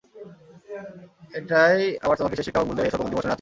এটাই আমার তোমাকে শেষ শিক্ষা হোক, বুঝলে হে স্বল্পবুদ্ধি মহাশূন্যের আঁচিল।